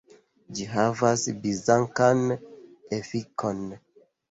Ĝi havas bizancan efikon.